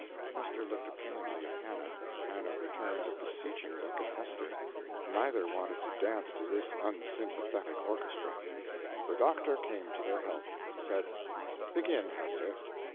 Hester looked appealing at Hannah; Hannah returned a beseeching look at Hester neither wanted to dance to this unsympathetic orchestra. The doctor came to their help. He said: "Begin, Hester."